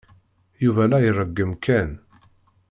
Yuba la ireggem Ken.